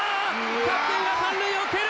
キャプテンが三塁を蹴る！